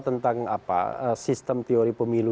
tentang sistem teori pemilu